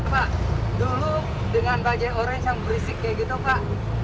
pak dulu dengan bajai orange yang berisik kayak gitu pak